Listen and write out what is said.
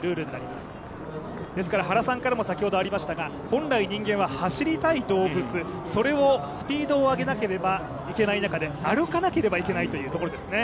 ですから本来人間は、走りたい動物それをスピードを上げなければいけない中で歩かなければいけないというところですね。